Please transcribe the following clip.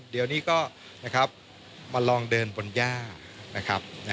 เดี๋ยวนี้ก็มาลองเดินบนย่า